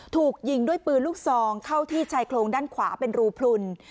ถูกยิงด้วยปืนลูกซองเข้าที่ชายโครงด้านขวาเป็นรูพลุน